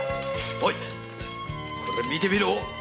オイこれ見てみろ。